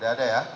tidak ada ya